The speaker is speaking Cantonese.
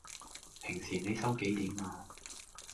平時你收幾點呀?